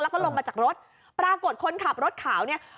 แล้วก็ลงมาจากรถปรากฏคนขับรถขาวเนี่ย